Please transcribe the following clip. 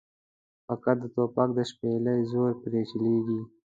فقط د توپک د شپېلۍ زور پرې چلېږي.